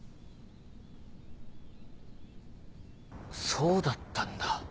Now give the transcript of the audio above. そうだったんだ。